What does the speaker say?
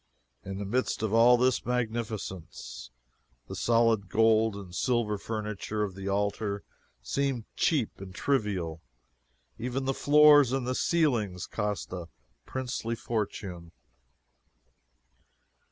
In the midst of all this magnificence, the solid gold and silver furniture of the altar seemed cheap and trivial. Even the floors and ceilings cost a princely fortune.